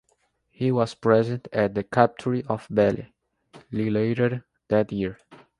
He was present at the Capture of Belle Ile later that year.